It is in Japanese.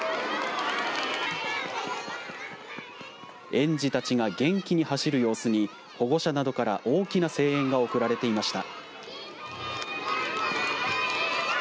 園児たちが元気に走る様子に保護者などから大きな声援が送られていました。